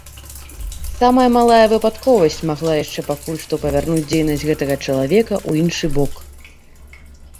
Самая малая выпадковасць магла яшчэ пакуль што павярнуць дзейнасць гэтага чалавека ў іншы бок.